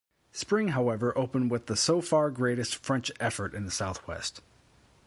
Spring however opened with the so far greatest French effort in the south-west.